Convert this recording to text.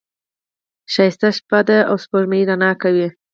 ښکلی شپه ده او سپوږمۍ رڼا کوي.